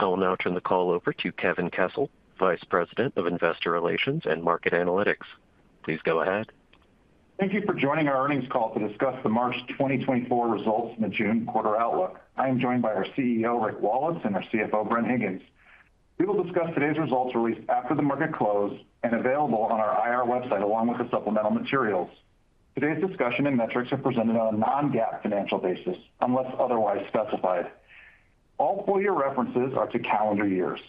Thank you. I will now turn the call over to Kevin Kessel, Vice President of Investor Relations and Market Analytics. Please go ahead. Thank you for joining our earnings call to discuss the March 2024 results and the June quarter outlook. I am joined by our CEO, Rick Wallace, and our CFO, Bren Higgins. We will discuss today's results, released after the market close, and available on our IR website, along with the supplemental materials. Today's discussion and metrics are presented on a non-GAAP financial basis, unless otherwise specified. All full year references are to calendar years.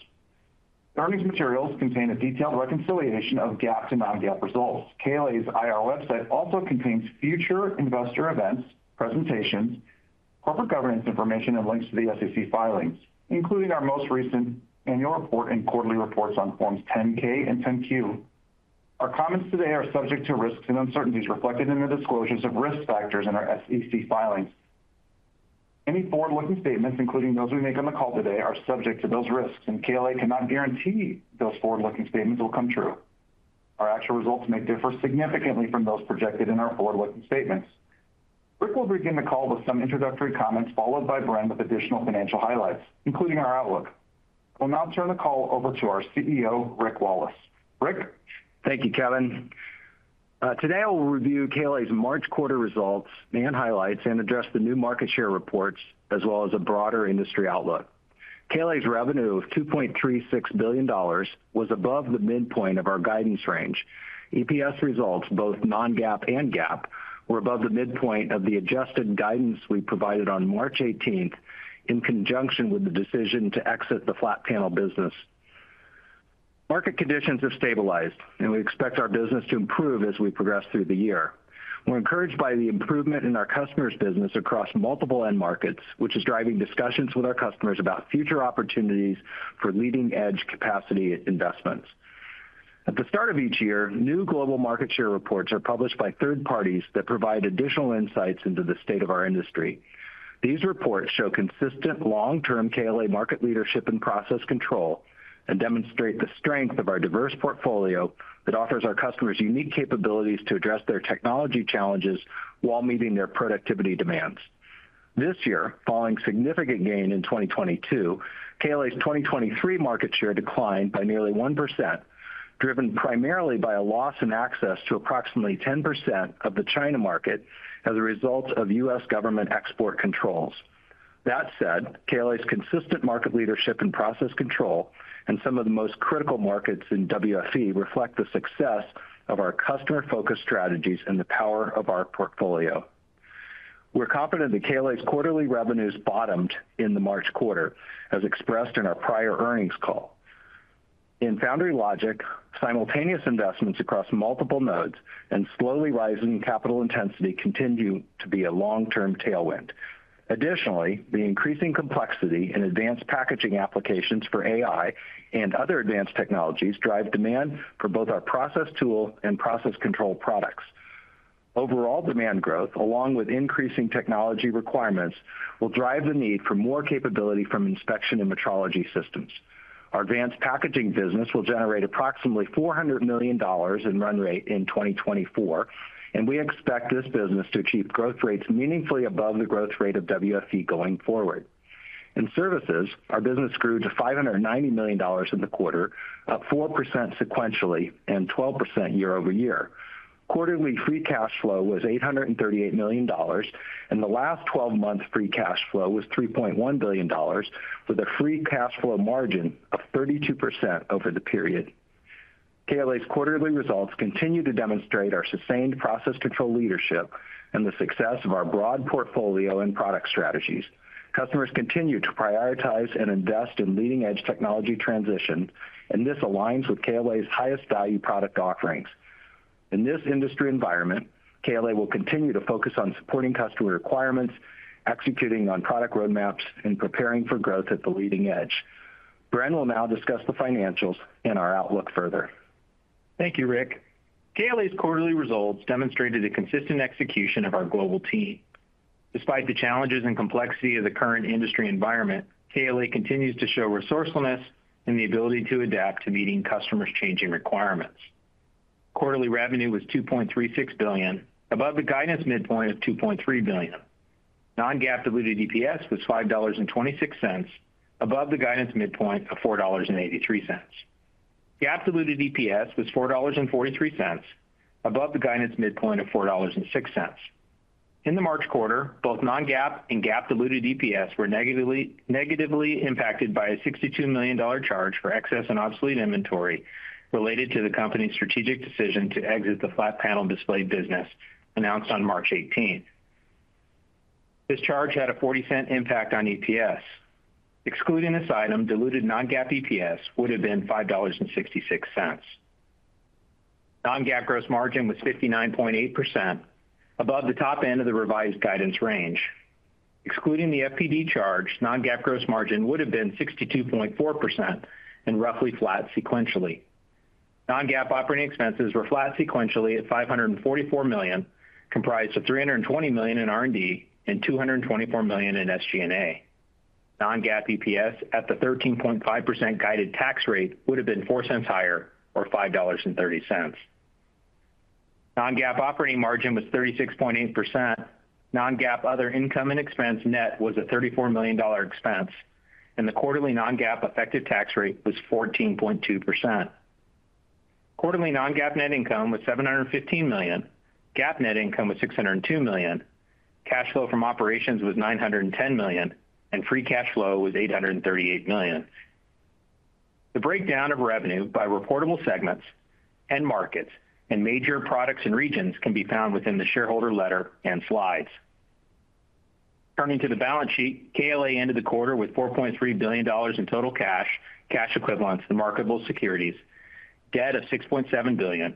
Earnings materials contain a detailed reconciliation of GAAP to non-GAAP results. KLA's IR website also contains future investor events, presentations, corporate governance information, and links to the SEC filings, including our most recent annual report and quarterly reports on Forms 10-K and 10-Q. Our comments today are subject to risks and uncertainties reflected in the disclosures of risk factors in our SEC filings. Any forward-looking statements, including those we make on the call today, are subject to those risks, and KLA cannot guarantee those forward-looking statements will come true. Our actual results may differ significantly from those projected in our forward-looking statements. Rick will begin the call with some introductory comments, followed by Bren with additional financial highlights, including our outlook. We'll now turn the call over to our CEO, Rick Wallace. Rick? Thank you, Kevin. Today I will review KLA's March quarter results and highlights, and address the new market share reports, as well as a broader industry outlook. KLA's revenue of $2.36 billion was above the midpoint of our guidance range. EPS results, both non-GAAP and GAAP, were above the midpoint of the adjusted guidance we provided on March eighteenth, in conjunction with the decision to exit the flat panel business. Market conditions have stabilized, and we expect our business to improve as we progress through the year. We're encouraged by the improvement in our customers' business across multiple end markets, which is driving discussions with our customers about future opportunities for leading-edge capacity investments. At the start of each year, new global market share reports are published by third parties that provide additional insights into the state of our industry. These reports show consistent long-term KLA market leadership and process control, and demonstrate the strength of our diverse portfolio that offers our customers unique capabilities to address their technology challenges while meeting their productivity demands. This year, following significant gain in 2022, KLA's 2023 market share declined by nearly 1%, driven primarily by a loss in access to approximately 10% of the China market as a result of US government export controls. That said, KLA's consistent market leadership and process control in some of the most critical markets in WFE reflect the success of our customer-focused strategies and the power of our portfolio. We're confident that KLA's quarterly revenues bottomed in the March quarter, as expressed in our prior earnings call. In foundry logic, simultaneous investments across multiple nodes and slowly rising capital intensity continue to be a long-term tailwind. Additionally, the increasing complexity in advanced packaging applications for AI and other advanced technologies drive demand for both our process tool and process control products. Overall demand growth, along with increasing technology requirements, will drive the need for more capability from inspection and metrology systems. Our advanced packaging business will generate approximately $400 million in run rate in 2024, and we expect this business to achieve growth rates meaningfully above the growth rate of WFE going forward. In services, our business grew to $590 million in the quarter, up 4% sequentially and 12% year-over-year. Quarterly free cash flow was $838 million, and the last twelve months free cash flow was $3.1 billion, with a free cash flow margin of 32% over the period. KLA's quarterly results continue to demonstrate our sustained process control leadership and the success of our broad portfolio and product strategies. Customers continue to prioritize and invest in leading-edge technology transition, and this aligns with KLA's highest value product offerings. In this industry environment, KLA will continue to focus on supporting customer requirements, executing on product roadmaps, and preparing for growth at the leading edge. Bren will now discuss the financials and our outlook further. Thank you, Rick. KLA's quarterly results demonstrated a consistent execution of our global team. Despite the challenges and complexity of the current industry environment, KLA continues to show resourcefulness and the ability to adapt to meeting customers' changing requirements. Quarterly revenue was $2.36 billion, above the guidance midpoint of $2.3 billion. Non-GAAP diluted EPS was $5.26, above the guidance midpoint of $4.83. GAAP diluted EPS was $4.43, above the guidance midpoint of $4.06. In the March quarter, both non-GAAP and GAAP diluted EPS were negatively impacted by a $62 million charge for excess and obsolete inventory related to the company's strategic decision to exit the flat panel display business, announced on March 18. This charge had a 40-cent impact on EPS. Excluding this item, diluted non-GAAP EPS would have been $5.66. Non-GAAP gross margin was 59.8%, above the top end of the revised guidance range. Excluding the FPD charge, non-GAAP gross margin would have been 62.4% and roughly flat sequentially. Non-GAAP operating expenses were flat sequentially at $544 million, comprised of $320 million in R&D and $224 million in SG&A. Non-GAAP EPS at the 13.5% guided tax rate would have been 0.4 higher, or $5.30. Non-GAAP operating margin was 36.8%. Non-GAAP other income and expense net was a $34 million expense, and the quarterly non-GAAP effective tax rate was 14.2%. Quarterly non-GAAP net income was $715 million. GAAP net income was $602 million. Cash flow from operations was $910 million, and free cash flow was $838 million. The breakdown of revenue by reportable segments, end markets, and major products and regions can be found within the shareholder letter and slides. Turning to the balance sheet, KLA ended the quarter with $4.3 billion in total cash, cash equivalents to marketable securities, debt of $6.7 billion,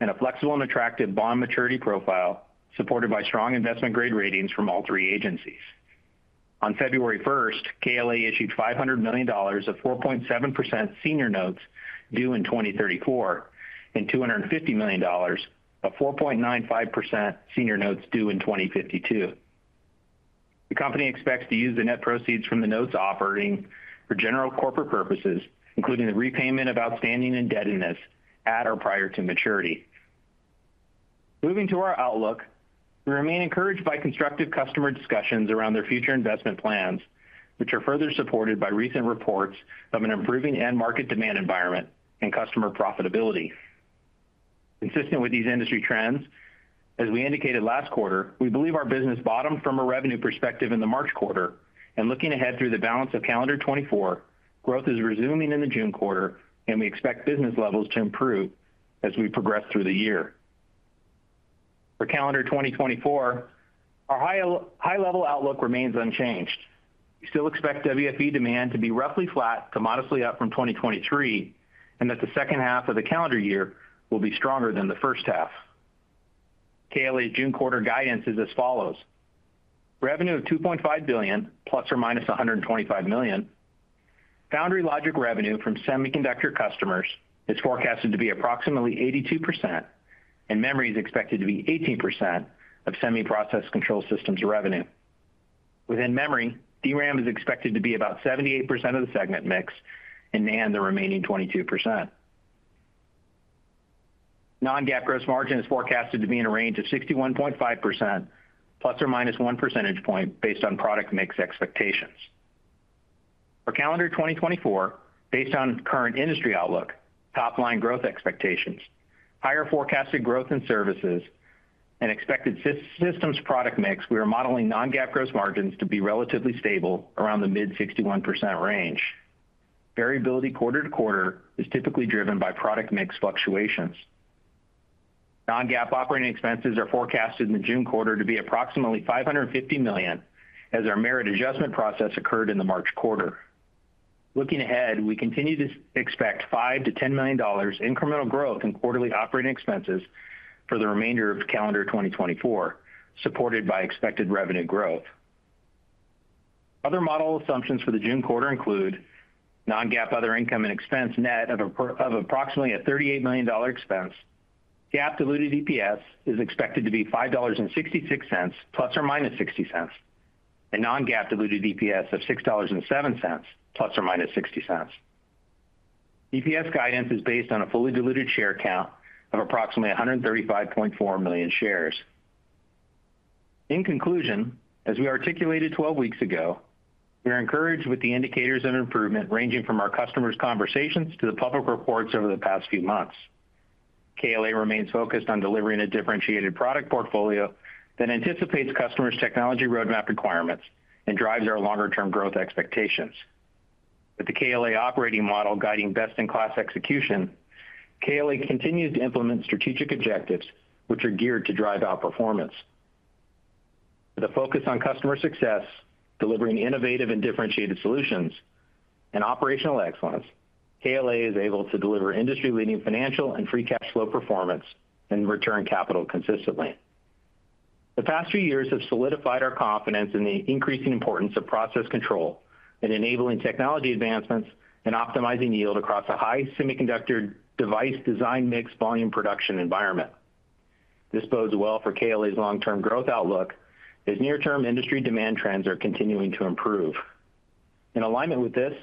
and a flexible and attractive bond maturity profile, supported by strong investment grade ratings from all three agencies. On February first, KLA issued $500 million of 4.7% senior notes due in 2034, and $250 million of 4.95% senior notes due in 2052. The company expects to use the net proceeds from the notes offering for general corporate purposes, including the repayment of outstanding indebtedness at or prior to maturity. Moving to our outlook, we remain encouraged by constructive customer discussions around their future investment plans, which are further supported by recent reports of an improving end market demand environment and customer profitability. Consistent with these industry trends, as we indicated last quarter, we believe our business bottomed from a revenue perspective in the March quarter. Looking ahead through the balance of calendar 2024, growth is resuming in the June quarter, and we expect business levels to improve as we progress through the year. For calendar 2024, our high-level outlook remains unchanged. We still expect WFE demand to be roughly flat to modestly up from 2023, and that the second half of the calendar year will be stronger than the first half. KLA's June quarter guidance is as follows: revenue of $2.5 billion ±$125 million. Foundry logic revenue from semiconductor customers is forecasted to be approximately 82%, and memory is expected to be 18% of semi process control systems revenue. Within memory, DRAM is expected to be about 78% of the segment mix, and NAND, the remaining 22%. Non-GAAP gross margin is forecasted to be in a range of 61.5% ±1 percentage point, based on product mix expectations. For calendar 2024, based on current industry outlook, top-line growth expectations, higher forecasted growth in services, and expected systems product mix, we are modeling non-GAAP gross margins to be relatively stable around the mid 61% range. Variability quarter to quarter is typically driven by product mix fluctuations. Non-GAAP operating expenses are forecasted in the June quarter to be approximately $550 million, as our merit adjustment process occurred in the March quarter. Looking ahead, we continue to expect $5 million-$10 million incremental growth in quarterly operating expenses for the remainder of calendar 2024, supported by expected revenue growth. Other model assumptions for the June quarter include non-GAAP other income and expense net of approximately a $38 million expense. GAAP diluted EPS is expected to be $5.66 ± $0.60, and non-GAAP diluted EPS of $6.07 ± $0.60. EPS guidance is based on a fully diluted share count of approximately 135.4 million shares. In conclusion, as we articulated 12 weeks ago, we are encouraged with the indicators of improvement, ranging from our customers' conversations to the public reports over the past few months. KLA remains focused on delivering a differentiated product portfolio that anticipates customers' technology roadmap requirements and drives our longer-term growth expectations. With the KLA operating model guiding best-in-class execution, KLA continues to implement strategic objectives which are geared to drive outperformance. With a focus on customer success, delivering innovative and differentiated solutions and operational excellence, KLA is able to deliver industry-leading financial and free cash flow performance and return capital consistently. The past few years have solidified our confidence in the increasing importance of process control and enabling technology advancements and optimizing yield across a high semiconductor device design mix, volume production environment. This bodes well for KLA's long-term growth outlook, as near-term industry demand trends are continuing to improve. In alignment with this,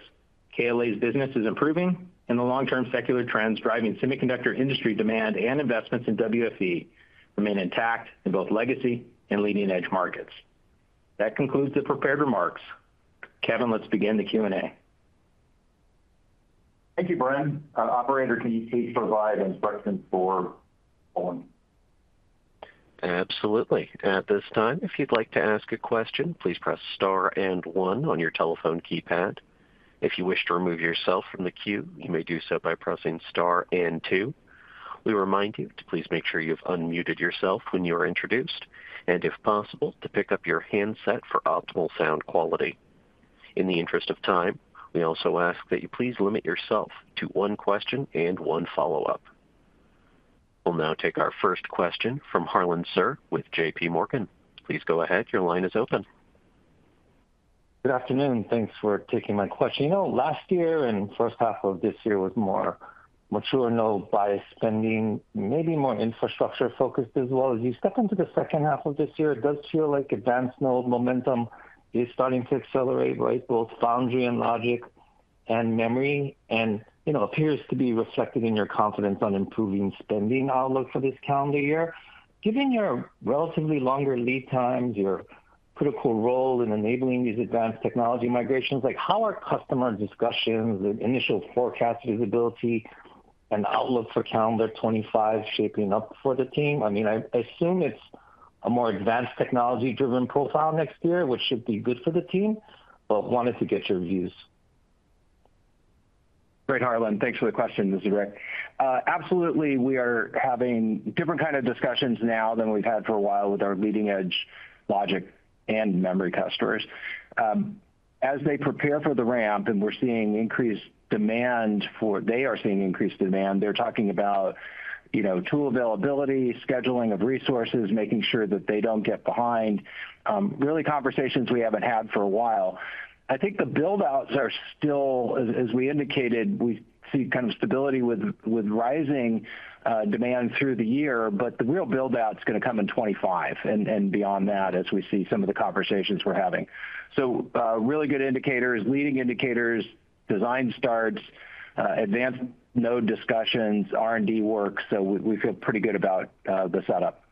KLA's business is improving, and the long-term secular trends driving semiconductor industry demand and investments in WFE remain intact in both legacy and leading-edge markets. That concludes the prepared remarks. Kevin, let's begin the Q&A. Thank you, Brian. Operator, can you please provide instructions for everyone? Absolutely. At this time, if you'd like to ask a question, please press star and one on your telephone keypad. If you wish to remove yourself from the queue, you may do so by pressing star and two. We remind you to please make sure you've unmuted yourself when you are introduced, and if possible, to pick up your handset for optimal sound quality. In the interest of time, we also ask that you please limit yourself to one question and one follow-up. We'll now take our first question from Harlan Sur with J.P. Morgan. Please go ahead. Your line is open. Good afternoon. Thanks for taking my question. You know, last year and first half of this year was more mature, no bias spending, maybe more infrastructure focused as well. As you step into the second half of this year, it does feel like advanced node momentum is starting to accelerate, right, both foundry and logic? And memory and, you know, appears to be reflected in your confidence on improving spending outlook for this calendar year. Given your relatively longer lead times, your critical role in enabling these advanced technology migrations, like, how are customer discussions and initial forecast visibility and outlook for calendar 2025 shaping up for the team? I mean, I assume it's a more advanced technology-driven profile next year, which should be good for the team, but wanted to get your views. Great, Harlan. Thanks for the question. This is Rick. Absolutely, we are having different kind of discussions now than we've had for a while with our leading-edge logic and memory customers. As they prepare for the ramp, and we're seeing increased demand for they are seeing increased demand, they're talking about, you know, tool availability, scheduling of resources, making sure that they don't get behind, really conversations we haven't had for a while. I think the build-outs are still, as we indicated, we see kind of stability with rising demand through the year, but the real build-out's gonna come in 2025 and beyond that, as we see some of the conversations we're having. So, really good indicators, leading indicators, design starts, advanced node discussions, R&D work, so we feel pretty good about the setup.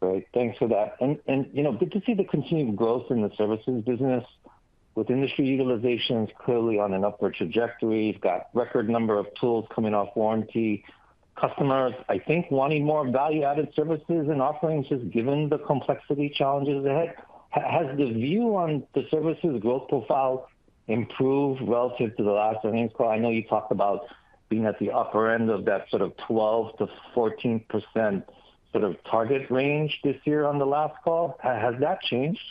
Great. Thanks for that. And you know, good to see the continued growth in the services business, with industry utilizations clearly on an upward trajectory. You've got record number of tools coming off warranty. Customers, I think, wanting more value-added services and offerings, just given the complexity challenges ahead. Has the view on the services growth profile improved relative to the last earnings call? I know you talked about being at the upper end of that sort of 12%-14% sort of target range this year on the last call. Has that changed?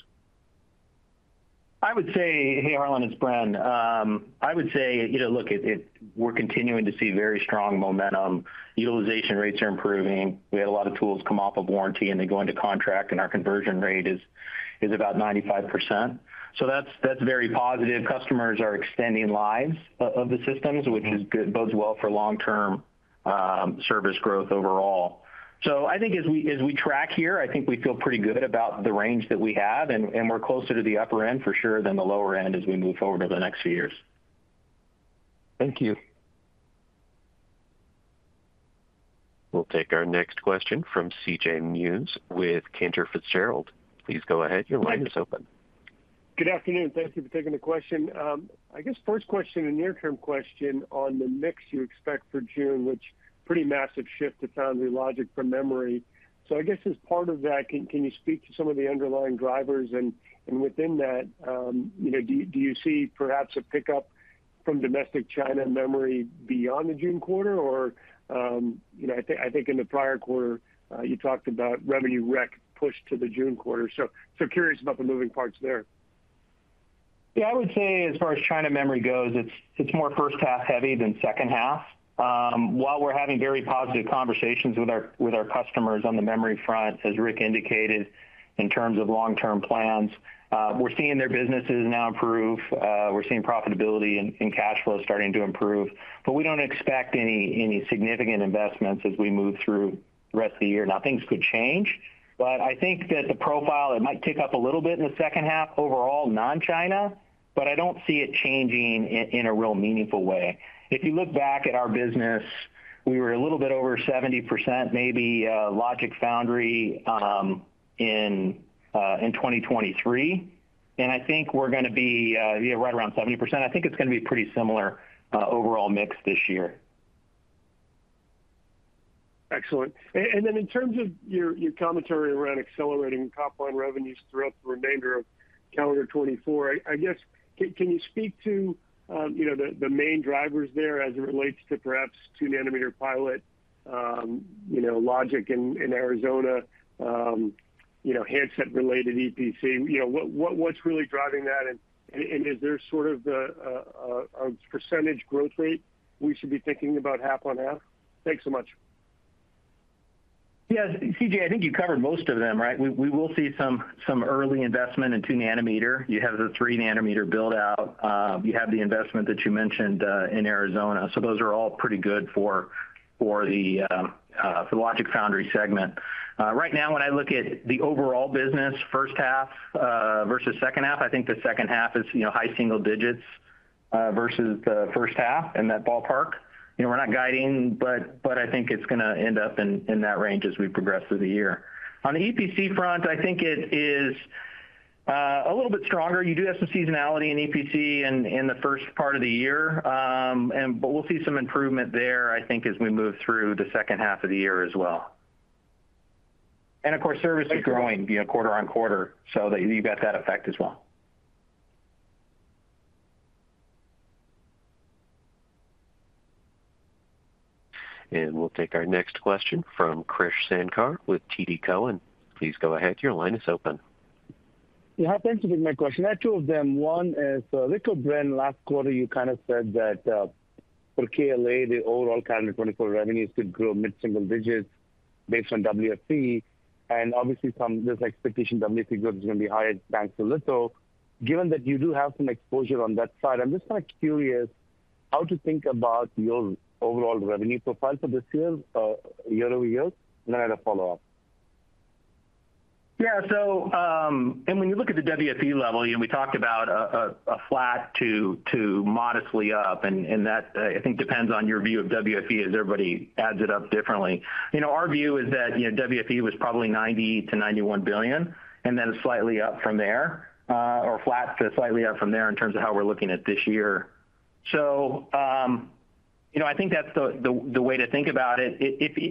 I would say, hey, Harlan, it's Brad. I would say, you know, look, it we're continuing to see very strong momentum. Utilization rates are improving. We had a lot of tools come off of warranty, and they go into contract, and our conversion rate is about 95%, so that's very positive. Customers are extending lives of the systems- Mm-hmm. -which is good, bodes well for long-term, service growth overall. So I think as we, as we track here, I think we feel pretty good about the range that we have, and, and we're closer to the upper end, for sure, than the lower end as we move forward over the next few years. Thank you. We'll take our next question from C.J. Muse with Cantor Fitzgerald. Please go ahead. Your line is open. Good afternoon. Thank you for taking the question. I guess first question, a near-term question on the mix you expect for June, which pretty massive shift to foundry logic from memory. So I guess, as part of that, can you speak to some of the underlying drivers? And within that, you know, do you see perhaps a pickup from domestic China memory beyond the June quarter? Or, you know, I think in the prior quarter, you talked about revenue rec pushed to the June quarter, so curious about the moving parts there. Yeah, I would say as far as China memory goes, it's more first half heavy than second half. While we're having very positive conversations with our customers on the memory front, as Rick indicated, in terms of long-term plans, we're seeing their businesses now improve, we're seeing profitability and cash flow starting to improve, but we don't expect any significant investments as we move through the rest of the year. Now, things could change, but I think that the profile, it might tick up a little bit in the second half overall, non-China, but I don't see it changing in a real meaningful way. If you look back at our business, we were a little bit over 70%, maybe, logic foundry, in 2023, and I think we're gonna be, yeah, right around 70%. I think it's gonna be pretty similar, overall mix this year. Excellent. And then in terms of your commentary around accelerating top-line revenues throughout the remainder of calendar 2024, I guess, can you speak to, you know, the main drivers there as it relates to perhaps two nanometer pilot, you know, logic in Arizona, you know, handset-related EPC? You know, what's really driving that, and is there sort of a percentage growth rate we should be thinking about half on half? Thanks so much. Yeah, CJ, I think you covered most of them, right? We will see some early investment in two nanometer. You have the three nanometer build-out. You have the investment that you mentioned in Arizona. So those are all pretty good for the logic foundry segment. Right now, when I look at the overall business, first half versus second half, I think the second half is, you know, high single digits versus the first half, in that ballpark. You know, we're not guiding, but I think it's gonna end up in that range as we progress through the year. On the EPC front, I think it is a little bit stronger. You do have some seasonality in EPC in the first part of the year. But we'll see some improvement there, I think, as we move through the second half of the year as well. Of course, service is growing, you know, quarter-over-quarter, so that you've got that effect as well. We'll take our next question from Krish Sankar with TD Cowen. Please go ahead. Your line is open. Yeah, thanks for taking my question. I have two of them. One is a little broad. Last quarter, you kind of said that for KLA, the overall calendar 2024 revenues could grow mid-single digits based on WFE. And obviously, there's expectation WFE growth is going to be higher thanks to Litho. Given that you do have some exposure on that side, I'm just kind of curious how to think about your overall revenue profile for this year, year over year. And then I have a follow-up. Yeah, so, and when you look at the WFE level, you know, we talked about a flat to modestly up, and that I think depends on your view of WFE, as everybody adds it up differently. You know, our view is that, you know, WFE was probably $90-$91 billion, and then slightly up from there, or flat to slightly up from there in terms of how we're looking at this year. So, you know, I think that's the way to think about it.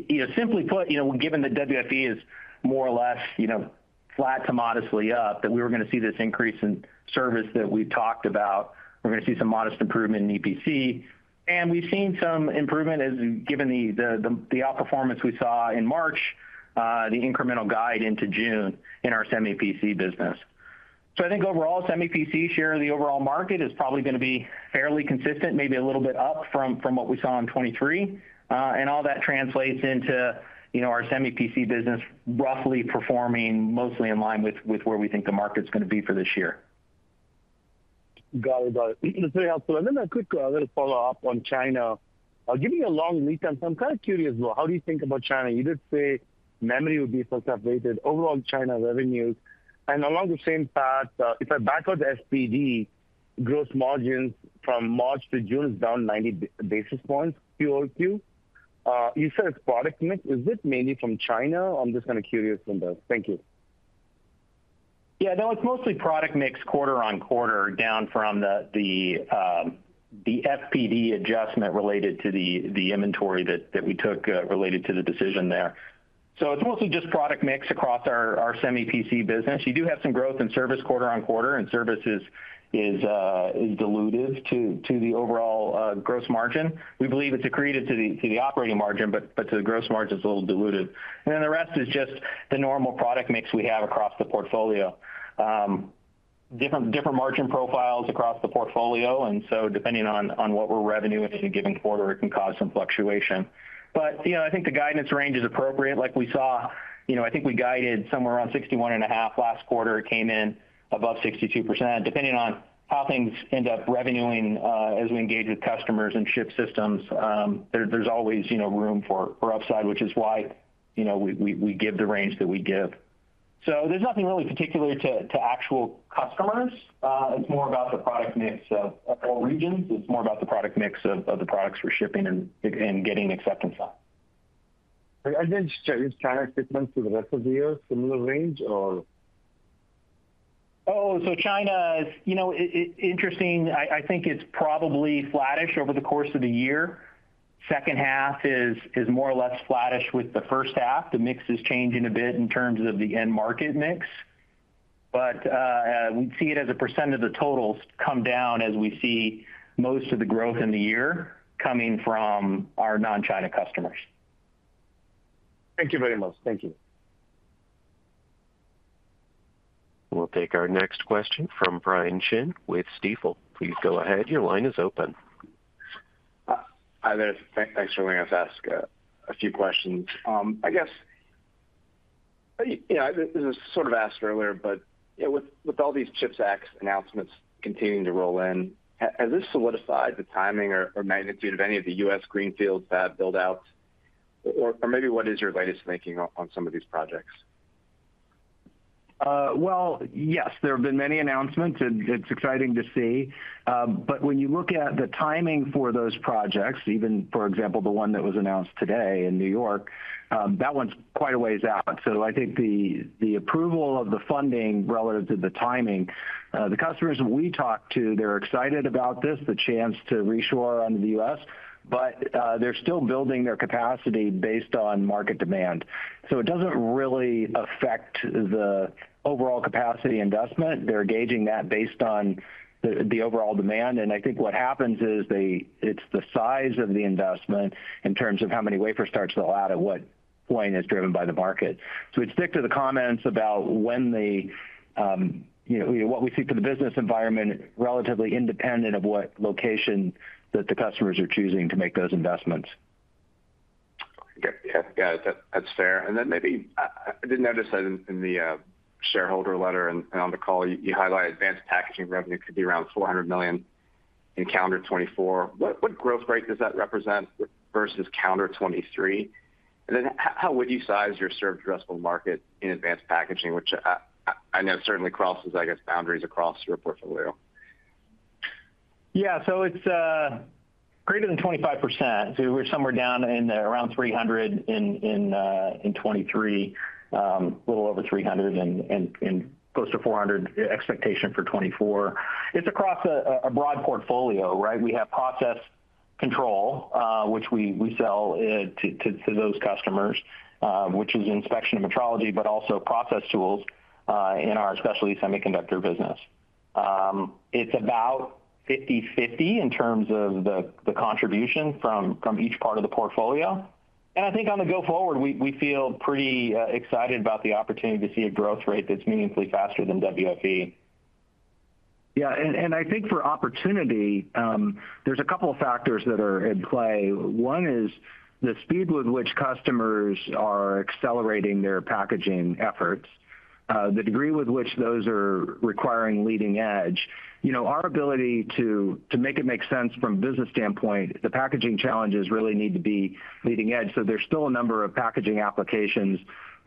You know, simply put, given that WFE is more or less, you know, flat to modestly up, that we were gonna see this increase in service that we've talked about. We're gonna see some modest improvement in EPC, and we've seen some improvement as given the outperformance we saw in March, the incremental guide into June in our Semi-PC business. So I think overall, Semi-PC share of the overall market is probably gonna be fairly consistent, maybe a little bit up from what we saw in 2023. And all that translates into, you know, our Semi-PC business roughly performing mostly in line with where we think the market's gonna be for this year. Got it. Got it. It's very helpful. And then a quick little follow-up on China. Giving you a long lead time, so I'm kind of curious about how do you think about China? You did say memory would be sort of weighted overall China revenues. And along the same path, if I back out the FPD gross margins from March to June is down 90 basis points, quarter-over-quarter. You said it's product mix. Is this mainly from China? I'm just kind of curious on this. Thank you. Yeah, no, it's mostly product mix quarter on quarter, down from the FPD adjustment related to the inventory that we took related to the decision there. So it's mostly just product mix across our Semi-PC business. You do have some growth in service quarter on quarter, and services is dilutive to the overall gross margin. We believe it's accretive to the operating margin, but to the gross margin, it's a little dilutive. And then the rest is just the normal product mix we have across the portfolio. Different margin profiles across the portfolio, and so depending on what we're revenuing in a given quarter, it can cause some fluctuation. But, you know, I think the guidance range is appropriate. Like we saw, you know, I think we guided somewhere around 61.5 last quarter. It came in above 62%. Depending on how things end up revenuing, as we engage with customers and ship systems, there, there's always, you know, room for, for upside, which is why, you know, we, we, we give the range that we give. So there's nothing really particular to, to actual customers. It's more about the product mix of, of all regions. It's more about the product mix of, of the products we're shipping and, and getting acceptance on. And then, so is China shipments for the rest of the year, similar range, or? Oh, so China is, you know, interesting. I think it's probably flattish over the course of the year. Second half is more or less flattish with the first half. The mix is changing a bit in terms of the end market mix. But we see it as a percent of the totals come down as we see most of the growth in the year coming from our non-China customers. Thank you very much. Thank you. We'll take our next question from Brian Chin with Stifel. Please go ahead. Your line is open. Hi there. Thanks for letting us ask a few questions. I guess, you know, this was sort of asked earlier, but, you know, with all these CHIPS Act announcements continuing to roll in, has this solidified the timing or magnitude of any of the U.S. greenfield fab build-outs? Or maybe what is your latest thinking on some of these projects? Well, yes, there have been many announcements, and it's exciting to see. But when you look at the timing for those projects, even for example, the one that was announced today in New York, that one's quite a ways out. So I think the approval of the funding relative to the timing, the customers we talk to, they're excited about this, the chance to reshore onto the U.S., but they're still building their capacity based on market demand. So it doesn't really affect the overall capacity investment. They're gauging that based on the overall demand, and I think what happens is they, it's the size of the investment in terms of how many wafer starts they'll add and what point is driven by the market. So we'd stick to the comments about when the, you know, what we see for the business environment, relatively independent of what location that the customers are choosing to make those investments. Okay. Yeah, yeah, that's fair. And then maybe, I did notice that in the shareholder letter and on the call, you highlighted advanced packaging revenue could be around $400 million in calendar 2024. What growth rate does that represent versus calendar 2023? And then how would you size your served addressable market in advanced packaging, which I know certainly crosses, I guess, boundaries across your portfolio? Yeah, so it's greater than 25%. So we're somewhere down in the around 300 in 2023, a little over 300 and close to 400 expectation for 2024. It's across a broad portfolio, right? We have process control, which we sell to those customers, which is inspection metrology, but also process tools in our specialty semiconductor business. It's about 50/50 in terms of the contribution from each part of the portfolio. And I think on the go forward, we feel pretty excited about the opportunity to see a growth rate that's meaningfully faster than WFE. Yeah, and I think for opportunity, there's a couple of factors that are at play. One is the speed with which customers are accelerating their packaging efforts, the degree with which those are requiring leading edge. You know, our ability to make it make sense from a business standpoint, the packaging challenges really need to be leading edge. So there's still a number of packaging applications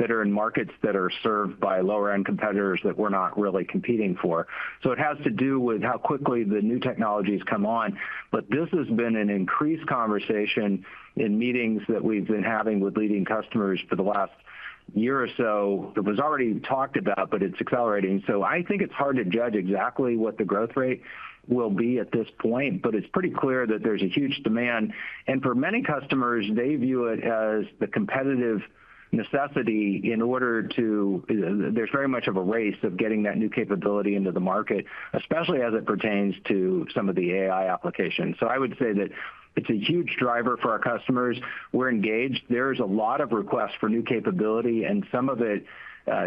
that are in markets that are served by lower-end competitors that we're not really competing for. So it has to do with how quickly the new technologies come on, but this has been an increased conversation in meetings that we've been having with leading customers for the last year or so, it was already talked about, but it's accelerating. So I think it's hard to judge exactly what the growth rate will be at this point, but it's pretty clear that there's a huge demand. For many customers, they view it as the competitive necessity in order to. There's very much of a race of getting that new capability into the market, especially as it pertains to some of the AI applications. So I would say that it's a huge driver for our customers. We're engaged. There is a lot of requests for new capability, and some of it,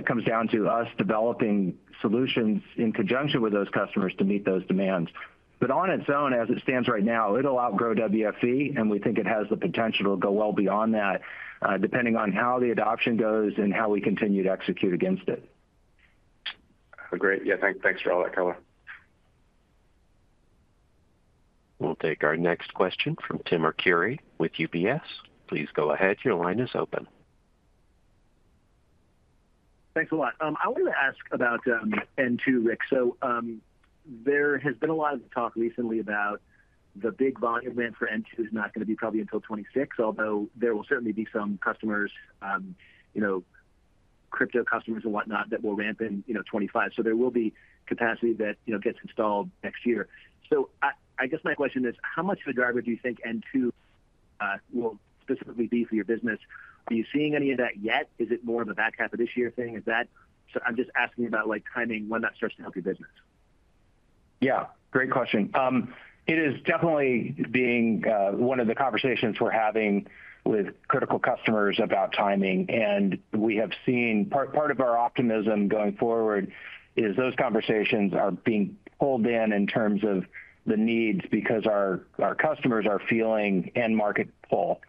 comes down to us developing solutions in conjunction with those customers to meet those demands. But on its own, as it stands right now, it'll outgrow WFE, and we think it has the potential to go well beyond that, depending on how the adoption goes and how we continue to execute against it. Great. Yeah, thanks for all that color. We'll take our next question from Tim Arcuri with UBS. Please go ahead. Your line is open. Thanks a lot. I wanted to ask about, N2, Rick. So, there has been a lot of talk recently about the big volume event for N2 is not going to be probably until 2026, although there will certainly be some customers, you know, crypto customers and whatnot, that will ramp in, you know, 2025. So there will be capacity that, you know, gets installed next year. So I guess my question is: how much of a driver do you think N2 will specifically be for your business? Are you seeing any of that yet? Is it more of a back half of this year thing? Is that? So I'm just asking about, like, timing, when that starts to help your business. Yeah, great question. It is definitely being one of the conversations we're having with critical customers about timing, and we have seen part of our optimism going forward is those conversations are being pulled in, in terms of the needs, because our customers are feeling end market pull.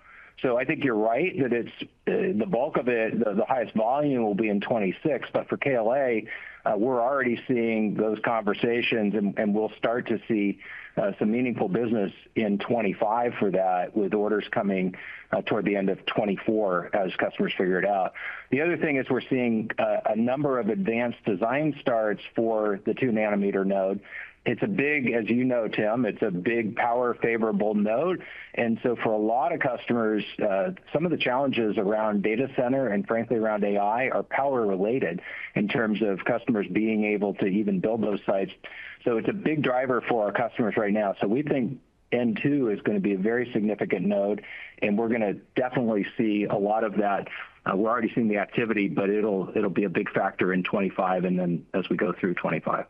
So I think you're right, that it's the bulk of it, the highest volume will be in 2026. But for KLA, we're already seeing those conversations, and we'll start to see some meaningful business in 2025 for that, with orders coming toward the end of 2024 as customers figure it out. The other thing is we're seeing a number of advanced design starts for the two nanometer node. It's a big, as you know, Tim, it's a big power favorable node. And so for a lot of customers, some of the challenges around data center and frankly, around AI, are power related in terms of customers being able to even build those sites. So it's a big driver for our customers right now. So we think N2 is going to be a very significant node, and we're going to definitely see a lot of that. We're already seeing the activity, but it'll be a big factor in 25, and then as we go through 25.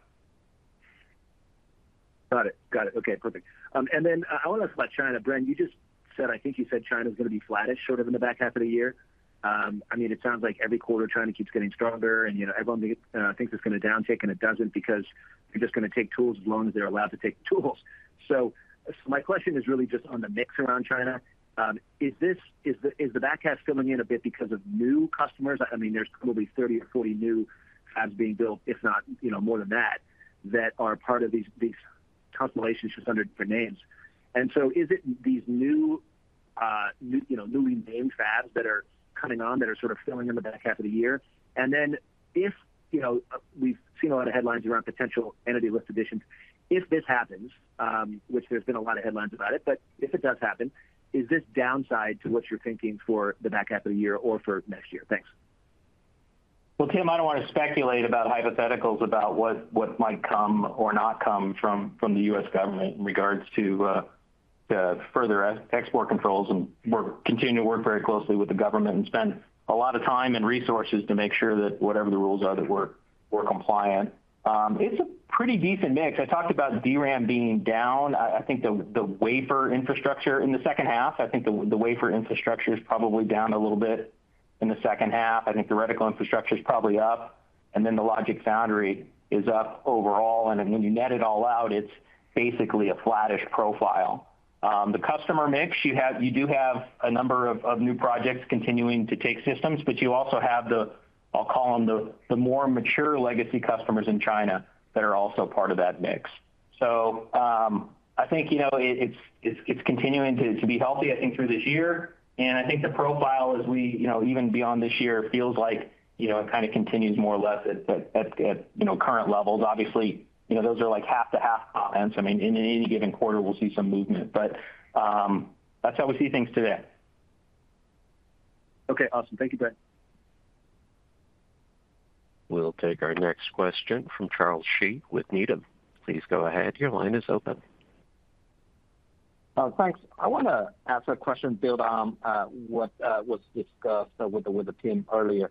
Got it. Got it. Okay, perfect. And then I want to ask about China. Brent, you just said, I think you said China's going to be flattish sort of in the back half of the year. I mean, it sounds like every quarter, China keeps getting stronger, and, you know, everyone thinks it's going to downtick, and it doesn't, because they're just going to take tools as long as they're allowed to take tools. So my question is really just on the mix around China. Is the back half filling in a bit because of new customers? I mean, there's probably 30 or 40 new fabs being built, if not, you know, more than that, that are part of these consolidation under different names. And so is it these new, you know, newly named fabs that are coming on that are sort of filling in the back half of the year? And then if, you know, we've seen a lot of headlines around potential entity list additions. If this happens, which there's been a lot of headlines about it, but if it does happen, is this downside to what you're thinking for the back half of the year or for next year? Thanks. Well, Tim, I don't want to speculate about hypotheticals, about what might come or not come from the U.S. government in regards to further export controls. And we're continuing to work very closely with the government and spend a lot of time and resources to make sure that whatever the rules are, that we're compliant. It's a pretty decent mix. I talked about DRAM being down. I think the wafer infrastructure in the second half is probably down a little bit in the second half. I think the reticle infrastructure is probably up, and then the logic foundry is up overall. And then when you net it all out, it's basically a flattish profile. The customer mix, you have, you do have a number of new projects continuing to take systems, but you also have the, I'll call them the more mature legacy customers in China that are also part of that mix. So, I think, you know, it's continuing to be healthy, I think, through this year. And I think the profile as we, you know, even beyond this year, feels like, you know, it kind of continues more or less at current levels. Obviously, you know, those are like half to half balance. I mean, in any given quarter, we'll see some movement, but that's how we see things today. Okay, awesome. Thank you, Bren. We'll take our next question from Charles Shi with Needham. Please go ahead. Your line is open. Thanks. I want to ask a question build on what was discussed with the team earlier.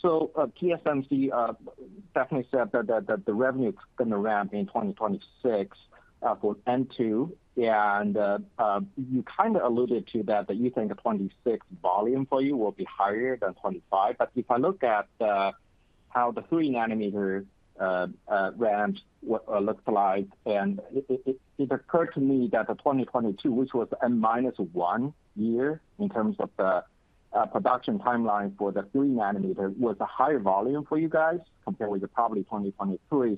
So, TSMC definitely said that the revenue is going to ramp in 2026 for N2, and you kind of alluded to that you think the 2026 volume for you will be higher than 2025. But if I look at how the 3-nanometer ramp looks like, and it occurred to me that the 2022, which was a minus one year in terms of the production timeline for the 3 nanometer, was a higher volume for you guys compared with probably 2023.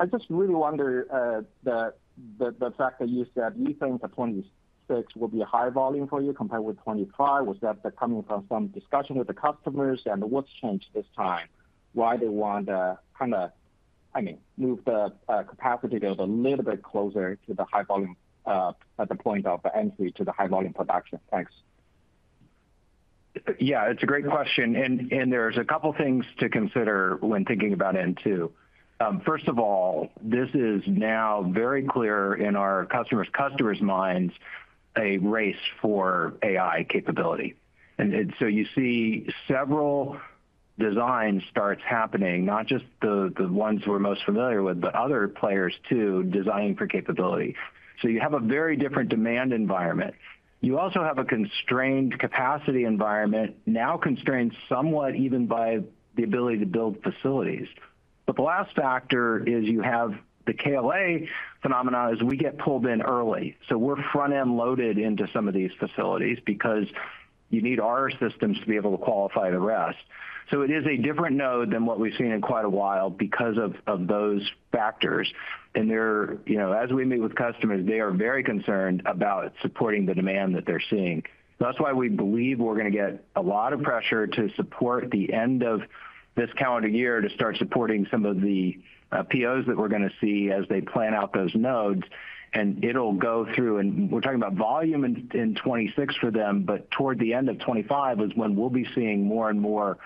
I just really wonder, the fact that you said you think the 2026 will be a higher volume for you compared with 2025, was that coming from some discussion with the customers, and what's changed this time? Why they want kind of, I mean, move the capacity build a little bit closer to the high volume, at the point of entry to the high volume production? Thanks. Yeah, it's a great question, and there's a couple things to consider when thinking about N2. First of all, this is now very clear in our customer's customers' minds, a race for AI capability. And so you see several design starts happening, not just the ones we're most familiar with, but other players too, designing for capability. So you have a very different demand environment. You also have a constrained capacity environment, now constrained somewhat even by the ability to build facilities. But the last factor is you have the KLA phenomenon, we get pulled in early, so we're front-end loaded into some of these facilities because you need our systems to be able to qualify the rest. So it is a different node than what we've seen in quite a while because of those factors. And they're, you know, as we meet with customers, they are very concerned about supporting the demand that they're seeing. So that's why we believe we're going to get a lot of pressure to support the end of this calendar year, to start supporting some of the POs that we're going to see as they plan out those nodes. And it'll go through, and we're talking about volume in 2026 for them, but toward the end of 2025 is when we'll be seeing more and more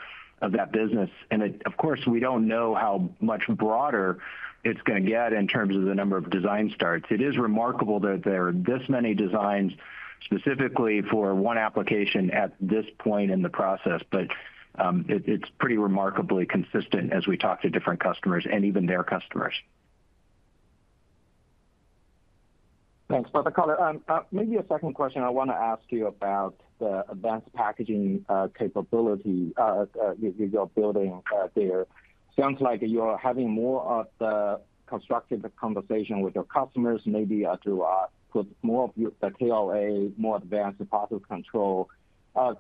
of that business. And, of course, we don't know how much broader it's going to get in terms of the number of design starts. It is remarkable that there are this many designs specifically for one application at this point in the process, but it's pretty remarkably consistent as we talk to different customers and even their customers. Thanks. But the color, maybe a second question, I want to ask you about the advanced packaging capability you're building there. Sounds like you're having more of the constructive conversation with your customers, maybe, to put more of your, the KLA, more advanced process control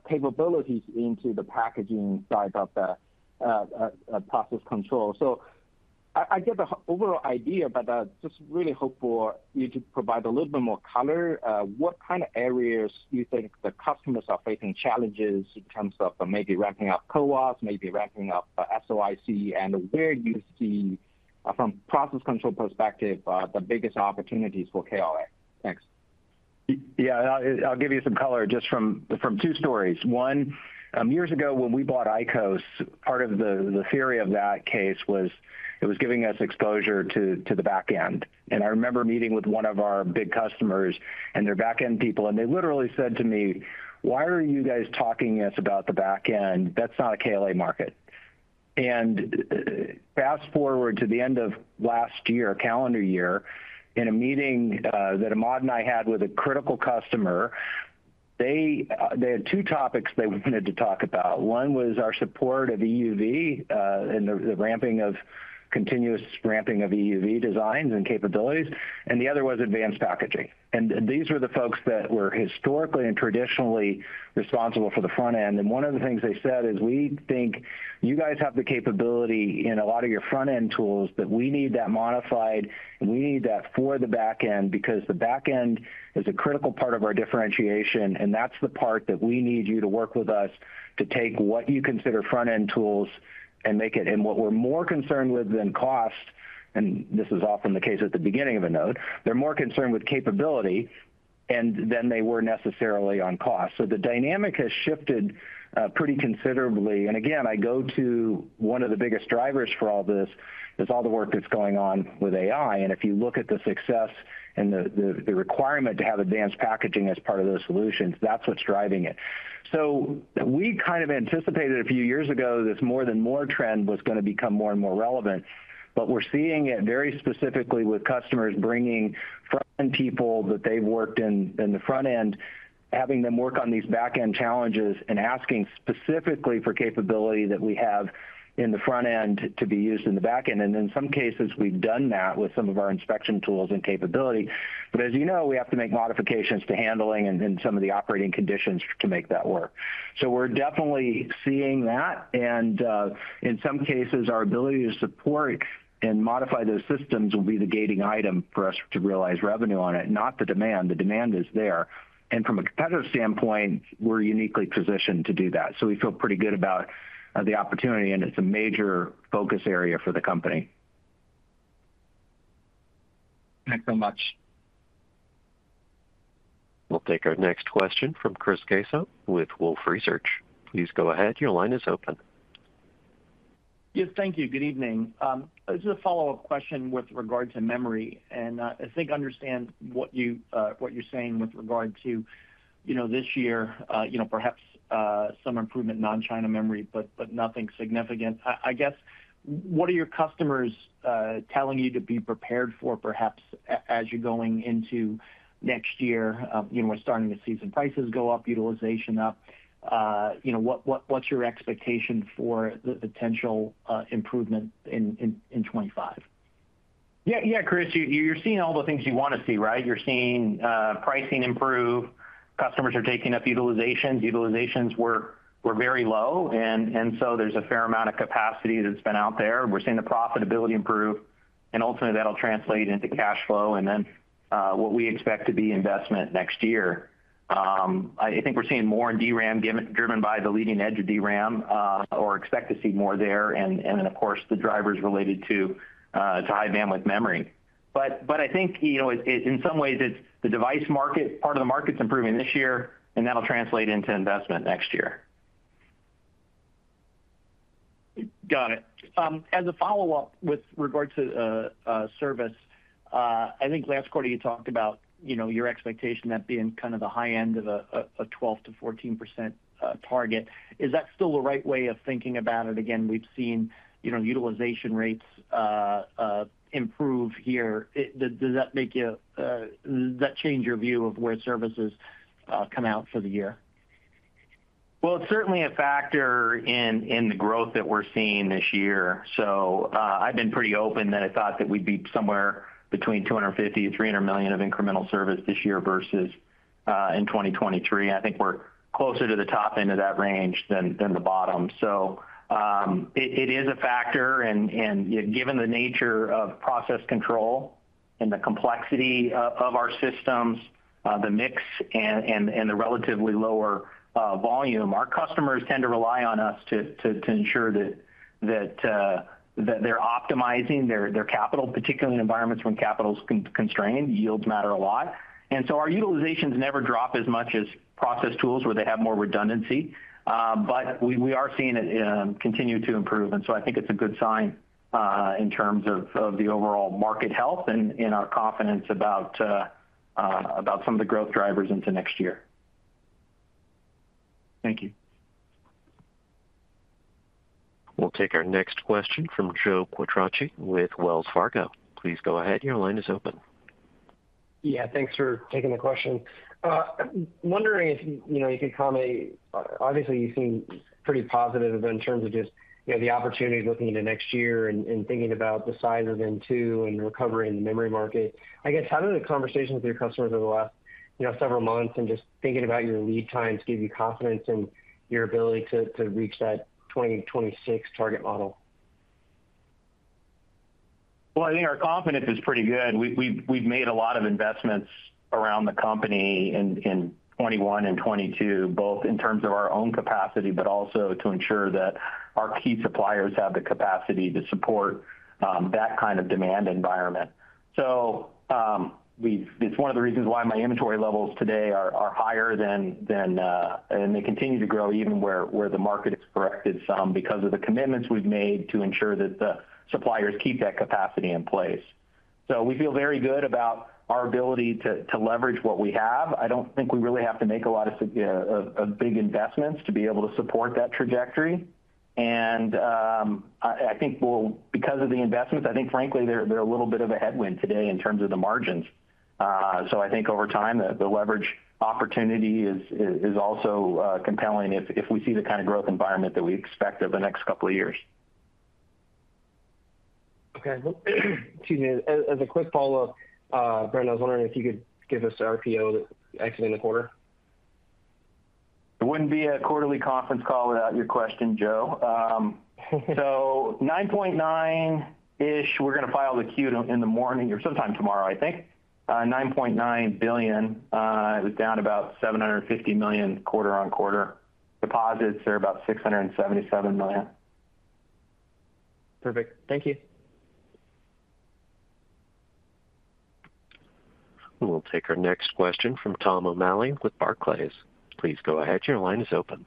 capabilities into the packaging side of the process control. So I get the overall idea, but just really hope for you to provide a little bit more color. What kind of areas do you think the customers are facing challenges in terms of maybe ramping up CoWoS, maybe ramping up SOIC, and where you see from process control perspective the biggest opportunities for KLA? Thanks. Yeah, I'll give you some color just from two stories. One, years ago, when we bought ICOS, part of the theory of that case was it was giving us exposure to the back end. And I remember meeting with one of our big customers and their back-end people, and they literally said to me, "Why are you guys talking to us about the back end? That's not a KLA market." And fast-forward to the end of last year, calendar year, in a meeting that Ahmad and I had with a critical customer, they had two topics they wanted to talk about. One was our support of EUV, and the ramping of continuous ramping of EUV designs and capabilities, and the other was advanced packaging. These were the folks that were historically and traditionally responsible for the front end. And one of the things they said is, "We think you guys have the capability in a lot of your front-end tools, but we need that modified, and we need that for the back end, because the back end is a critical part of our differentiation, and that's the part that we need you to work with us to take what you consider front-end tools and make it..." And what we're more concerned with than cost, and this is often the case at the beginning of a node, they're more concerned with capability than they were necessarily on cost. So the dynamic has shifted pretty considerably. And again, I go to one of the biggest drivers for all this, is all the work that's going on with AI. If you look at the success and the requirement to have Advanced Packaging as part of those solutions, that's what's driving it. So we kind of anticipated a few years ago, this more and more trend was going to become more and more relevant, but we're seeing it very specifically with customers bringing front-end people that they've worked in the front end, having them work on these back-end challenges, and asking specifically for capability that we have in the front end to be used in the back end. And in some cases, we've done that with some of our inspection tools and capability. But as you know, we have to make modifications to handling and some of the operating conditions to make that work. So we're definitely seeing that. In some cases, our ability to support and modify those systems will be the gating item for us to realize revenue on it, not the demand. The demand is there, and from a competitive standpoint, we're uniquely positioned to do that. So we feel pretty good about the opportunity, and it's a major focus area for the company. Thanks so much. We'll take our next question from Chris Caso with Wolfe Research. Please go ahead. Your line is open. Yes, thank you. Good evening. Just a follow-up question with regard to memory, and I think I understand what you're saying with regard to, you know, this year, you know, perhaps some improvement in non-China memory, but nothing significant. I guess, what are your customers telling you to be prepared for, perhaps as you're going into next year? You know, we're starting to see some prices go up, utilization up. You know, what's your expectation for the potential improvement in 2025? Yeah, yeah, Chris, you're, you're seeing all the things you want to see, right? You're seeing pricing improve. Customers are taking up utilizations. Utilizations were very low, and so there's a fair amount of capacity that's been out there. We're seeing the profitability improve, and ultimately, that'll translate into cash flow and then what we expect to be investment next year. I think we're seeing more in DRAM, driven by the leading edge of DRAM, or expect to see more there, and then, of course, the drivers related to high bandwidth memory. But I think, you know, it in some ways, it's the device market, part of the market's improving this year, and that'll translate into investment next year. Got it. As a follow-up with regard to service, I think last quarter you talked about, you know, your expectation that being kind of the high end of a 12%-14% target. Is that still the right way of thinking about it? Again, we've seen, you know, utilization rates improve here. Does that make you, does that change your view of where services come out for the year? Well, it's certainly a factor in the growth that we're seeing this year. So, I've been pretty open that I thought that we'd be somewhere between $250 million-$300 million of incremental service this year versus in 2023. I think we're closer to the top end of that range than the bottom. So, it is a factor, and given the nature of process control and the complexity of our systems, the mix and the relatively lower volume, our customers tend to rely on us to ensure that they're optimizing their capital, particularly in environments when capital's constrained, yields matter a lot. And so our utilizations never drop as much as process tools where they have more redundancy. But we are seeing it continue to improve, and so I think it's a good sign in terms of the overall market health and our confidence about some of the growth drivers into next year. Thank you. We'll take our next question from Joe Quattrocchi with Wells Fargo. Please go ahead. Your line is open. Yeah, thanks for taking the question. Wondering if, you know, you could comment, obviously, you seem pretty positive in terms of just, you know, the opportunities looking into next year and, and thinking about the size of N2 and recovery in the memory market. I guess, how do the conversations with your customers over the last, you know, several months and just thinking about your lead times, give you confidence in your ability to reach that 2026 target model? Well, I think our confidence is pretty good. We've made a lot of investments around the company in 2021 and 2022, both in terms of our own capacity, but also to ensure that our key suppliers have the capacity to support that kind of demand environment. So, it's one of the reasons why my inventory levels today are higher than and they continue to grow even where the market has corrected some, because of the commitments we've made to ensure that the suppliers keep that capacity in place. So we feel very good about our ability to leverage what we have. I don't think we really have to make a lot of big investments to be able to support that trajectory. I think we'll, because of the investments, I think frankly, they're a little bit of a headwind today in terms of the margins. So I think over time, the leverage opportunity is also compelling if we see the kind of growth environment that we expect over the next couple of years. Okay. Excuse me. As a quick follow-up, Bren, I was wondering if you could give us RPO exiting the quarter. It wouldn't be a quarterly conference call without your question, Joe. So 9.9-ish, we're going to file the Q in the morning or sometime tomorrow, I think. $9.9 billion, it was down about $750 million quarter-on-quarter. Deposits are about $677 million. Perfect. Thank you. We'll take our next question from Tom O'Malley with Barclays. Please go ahead. Your line is open.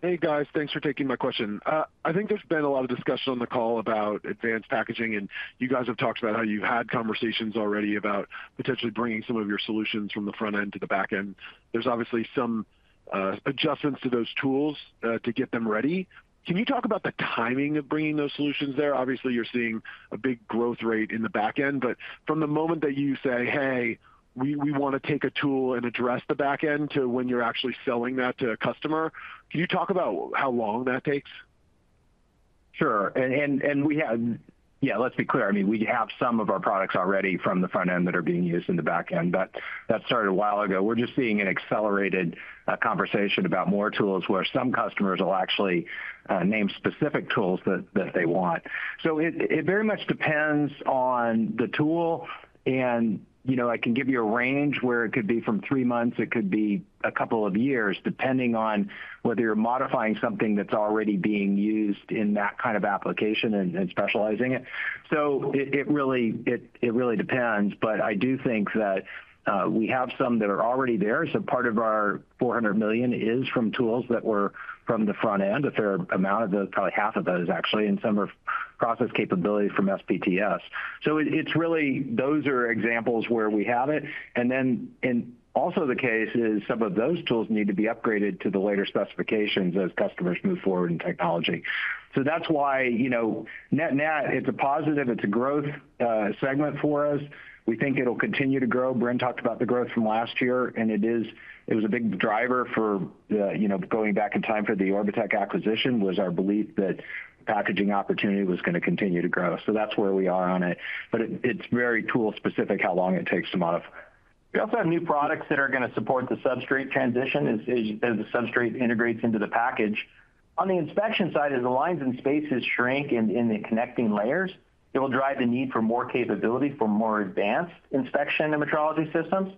Hey, guys. Thanks for taking my question. I think there's been a lot of discussion on the call about advanced packaging, and you guys have talked about how you've had conversations already about potentially bringing some of your solutions from the front end to the back end. There's obviously some adjustments to those tools to get them ready. Can you talk about the timing of bringing those solutions there? Obviously, you're seeing a big growth rate in the back end, but from the moment that you say, "Hey, we want to take a tool and address the back end," to when you're actually selling that to a customer, can you talk about how long that takes? Sure. Yeah, let's be clear, I mean, we have some of our products already from the front end that are being used in the back end, but that started a while ago. We're just seeing an accelerated conversation about more tools, where some customers will actually name specific tools that they want. So it very much depends on the tool, and, you know, I can give you a range where it could be from three months, it could be a couple of years, depending on whether you're modifying something that's already being used in that kind of application and specializing it. So it really depends, but I do think that we have some that are already there, so part of our $400 million is from tools that were from the front end. A fair amount of those, probably half of those, actually, and some are process capability from SBTS. So it's really those are examples where we have it, and then and also the case is some of those tools need to be upgraded to the later specifications as customers move forward in technology. So that's why, you know, net, net, it's a positive, it's a growth segment for us. We think it'll continue to grow. Brent talked about the growth from last year, and it is- it was a big driver for the, you know, going back in time for the Orbotech acquisition, was our belief that packaging opportunity was going to continue to grow. So that's where we are on it, but it's very tool specific, how long it takes to modify. We also have new products that are going to support the substrate transition, as the substrate integrates into the package. On the inspection side, as the lines and spaces shrink in the connecting layers, it will drive the need for more capability for more advanced inspection and metrology systems.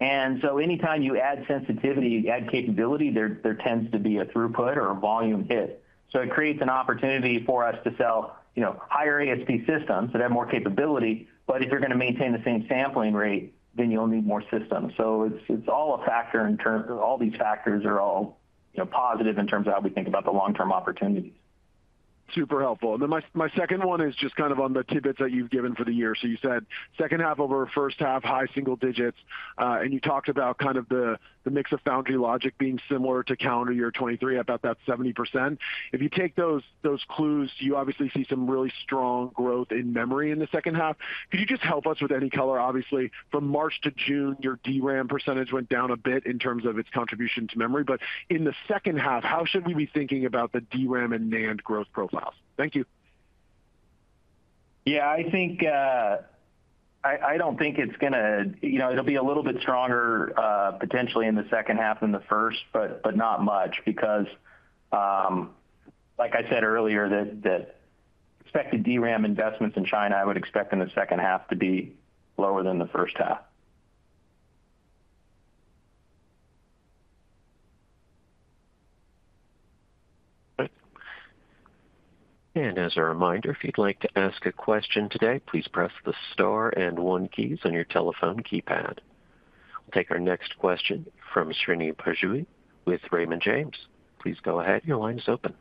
And so anytime you add sensitivity, you add capability, there tends to be a throughput or a volume hit. So it creates an opportunity for us to sell, you know, higher ASP systems that have more capability. But if you're going to maintain the same sampling rate, then you'll need more systems. So it's all a factor in terms—all these factors are all, you know, positive in terms of how we think about the long-term opportunities. Super helpful. Then my second one is just kind of on the tidbits that you've given for the year. So you said second half over first half, high single digits, and you talked about kind of the mix of foundry logic being similar to calendar year 2023, about that 70%. If you take those clues, you obviously see some really strong growth in memory in the second half. Could you just help us with any color? Obviously, from March to June, your DRAM percentage went down a bit in terms of its contribution to memory, but in the second half, how should we be thinking about the DRAM and NAND growth profiles? Thank you. Yeah, I think, I don't think it's gonna you know, it'll be a little bit stronger potentially in the second half than the first, but not much, because like I said earlier, that expected DRAM investments in China, I would expect in the second half to be lower than the first half. As a reminder, if you'd like to ask a question today, please press the star and one keys on your telephone keypad. We'll take our next question from Srini Pajjuri with Raymond James. Please go ahead. Your line is open.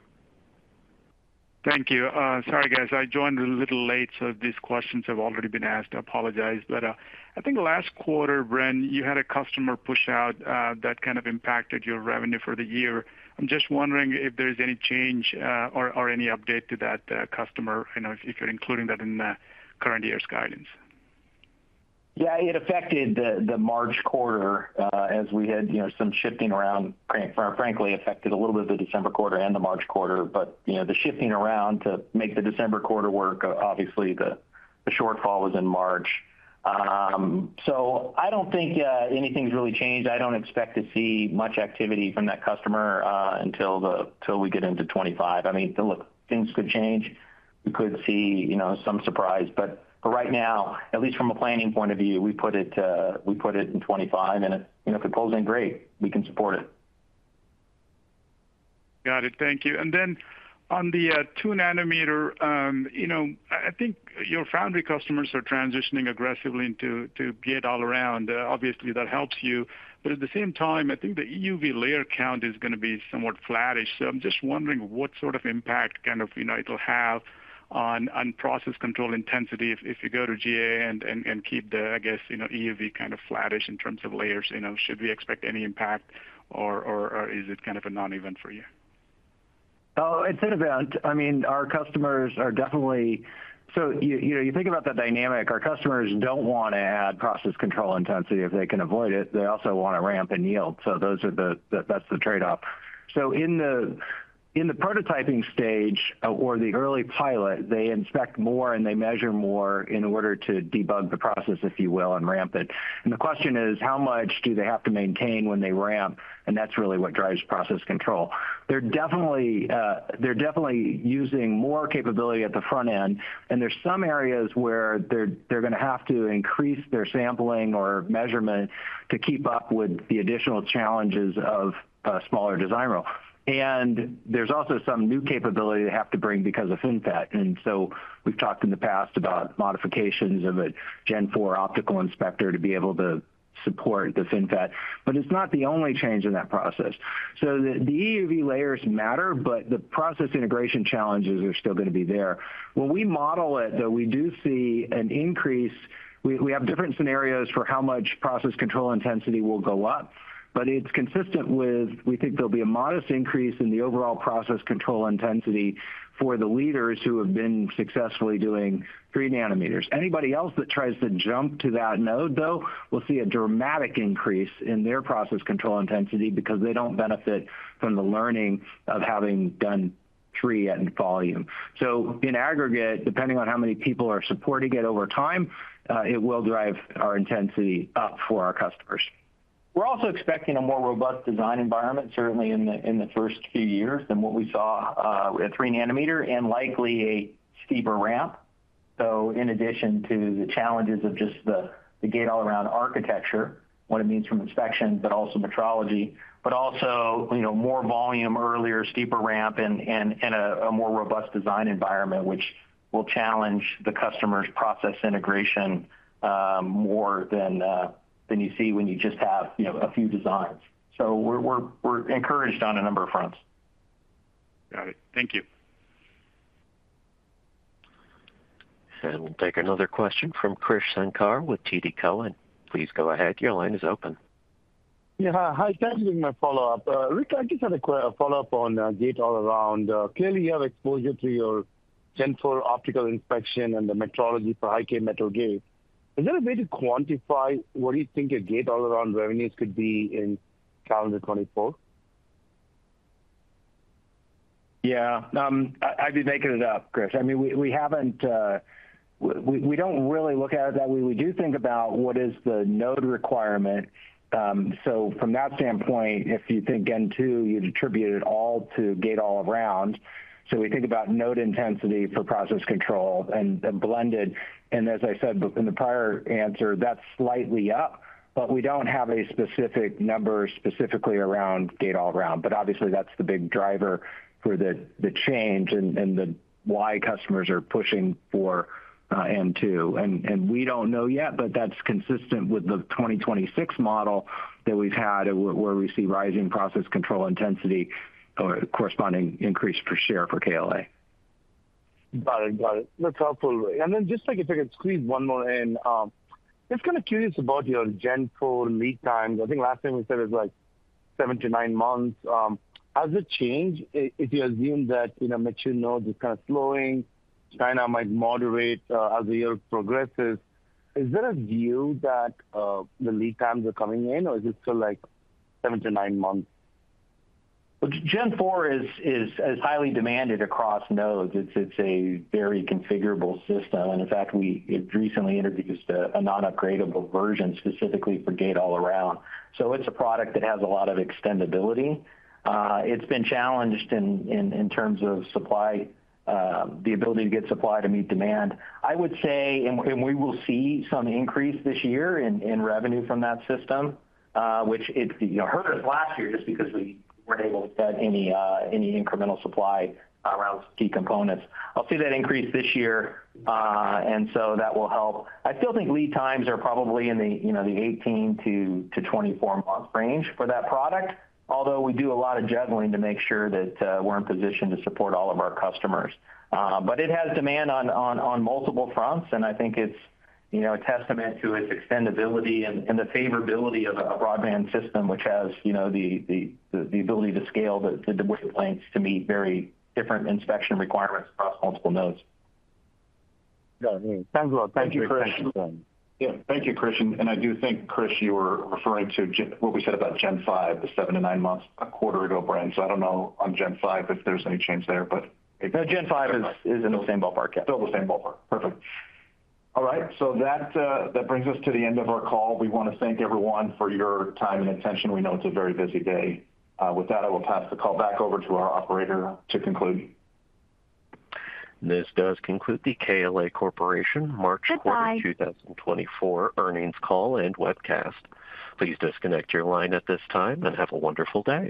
Thank you. Sorry, guys, I joined a little late, so these questions have already been asked. I apologize. But, I think last quarter, Bren, you had a customer push out, that kind of impacted your revenue for the year. I'm just wondering if there's any change, or any update to that customer, you know, if you're including that in the current year's guidance. Yeah, it affected the March quarter as we had, you know, some shifting around. Frankly, it affected a little bit of the December quarter and the March quarter, but, you know, the shifting around to make the December quarter work, obviously, the shortfall was in March. So I don't think anything's really changed. I don't expect to see much activity from that customer until we get into 2025. I mean, look, things could change. We could see, you know, some surprise. But right now, at least from a planning point of view, we put it, we put it in 2025, and if, you know, if it pulls in, great, we can support it. Got it. Thank you. And then on the two nanometer, you know, I think your foundry customers are transitioning aggressively into gate-all-around. Obviously, that helps you, but at the same time, I think the EUV layer count is going to be somewhat flattish. So I'm just wondering what sort of impact kind of, you know, it'll have on process control intensity if you go to GAA and keep the, I guess, you know, EUV kind of flattish in terms of layers. You know, should we expect any impact or is it kind of a non-event for you? Oh, it's an event. I mean, our customers are definitely so you know, you think about the dynamic. Our customers don't want to add process control intensity if they can avoid it. They also want to ramp in yield. So those are the, that's the trade-off. So in the prototyping stage or the early pilot, they inspect more, and they measure more in order to debug the process, if you will, and ramp it. And the question is: How much do they have to maintain when they ramp? And that's really what drives process control. They're definitely using more capability at the front end, and there's some areas where they're going to have to increase their sampling or measurement to keep up with the additional challenges of a smaller design rule. There's also some new capability they have to bring because of FinFET. So we've talked in the past about modifications of a Gen four optical inspector to be able to support the FinFET, but it's not the only change in that process. The EUV layers matter, but the process integration challenges are still going to be there. When we model it, though, we do see an increase. We have different scenarios for how much process control intensity will go up, but it's consistent with, we think there'll be a modest increase in the overall process control intensity for the leaders who have been successfully doing three nanometers. Anybody else that tries to jump to that node, though, will see a dramatic increase in their process control intensity because they don't benefit from the learning of having done three at volume. So in aggregate, depending on how many people are supporting it over time, it will drive our intensity up for our customers. We're also expecting a more robust design environment, certainly in the first few years than what we saw at three nanometer and likely a steeper ramp. So in addition to the challenges of just the Gate-All-Around architecture, what it means from inspection, but also metrology, but also, you know, more volume earlier, steeper ramp and a more robust design environment, which will challenge the customer's process integration more than you see when you just have, you know, a few designs. So we're encouraged on a number of fronts. Got it. Thank you. We'll take another question from Krish Sankar with TD Cowen. Please go ahead. Your line is open. Yeah. Hi. Thank you for my follow-up. Rick, I just had a follow-up on gate-all-around. Clearly, you have exposure to your Gen four optical inspection and the metrology for High-K Metal Gate. Is there a way to quantify what you think your gate-all-around revenues could be in calendar 2024? Yeah, I'd be making it up, Krish. I mean, we haven't, we don't really look at it that way. We do think about what is the node requirement. So from that standpoint, if you think N2, you'd attribute it all to gate all around. So we think about node intensity for process control and blended, and as I said in the prior answer, that's slightly up, but we don't have a specific number specifically around gate all around. But obviously, that's the big driver for the change and the why customers are pushing for N2. And we don't know yet, but that's consistent with the 2026 model that we've had, where we see rising process control intensity or corresponding increase per share for KLA. Got it. Got it. That's helpful. And then just if I could squeeze one more in, just kind of curious about your Gen 4 lead times. I think last time we said it was, like, 7-9 months. Has it changed? If you assume that, you know, mature node is kind of slowing, China might moderate, as the year progresses, is there a view that the lead times are coming in, or is it still, like, 7-9 months? Well, Gen four is highly demanded across nodes. It's a very configurable system, and in fact, we recently introduced a non-upgradable version specifically for Gate-All-Around. So it's a product that has a lot of extendibility. It's been challenged in terms of supply, the ability to get supply to meet demand. I would say, and we will see some increase this year in revenue from that system, which it, you know, hurt us last year just because we weren't able to get any, any incremental supply around key components. I'll see that increase this year, and so that will help. I still think lead times are probably in the, you know, 18-24 month range for that product, although we do a lot of juggling to make sure that we're in position to support all of our customers. But it has demand on multiple fronts, and I think it's, you know, a testament to its extendibility and the favorability of a broadband system, which has, you know, the ability to scale the wavelengths to meet very different inspection requirements across multiple nodes. Got it. Thanks a lot. Thank you, Krish. Yeah. Thank you, Krish. And I do think, Krish, you were referring to what we said about Gen five, the 7-9 months, a quarter ago, Brian, so I don't know on Gen5 if there's any change there, but- No, Gen five is in the same ballpark, yeah. Still the same ballpark. Perfect. All right, so that brings us to the end of our call. We want to thank everyone for your time and attention. We know it's a very busy day. With that, I will pass the call back over to our operator to conclude. This does conclude the KLA Corporation March- Goodbye. Quarter 2024 earnings call and webcast. Please disconnect your line at this time, and have a wonderful day.